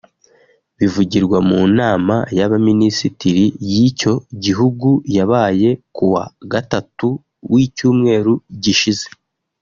bivugirwa mu nama y’abaminisitiri y’icyo gihugu yabaye kuwa gatatu w’icyumweru gishize